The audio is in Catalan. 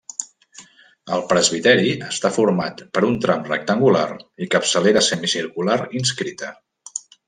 El presbiteri està format per un tram rectangular i capçalera semicircular inscrita.